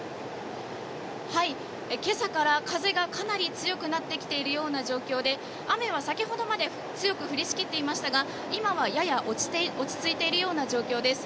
今朝から風がかなり強くなってきているような状況で雨は先ほどまで強く降り仕切っていましたが今はやや落ち着いているような状況です。